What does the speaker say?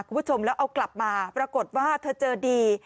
คุณผู้ชมแล้วเอากลับมาปรากฏว่าเธอเจอดี